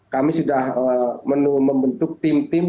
kami sudah membentuk tim tim